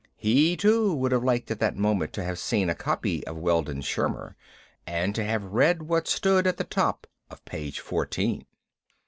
He too would have liked at that moment to have seen a copy of "Weldon Shirmer," and to have read what stood at the top of page fourteen.